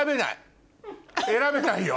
選べないよ